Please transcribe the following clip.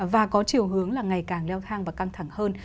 và có chiều hướng là ngày càng leo thang và căng thẳng hơn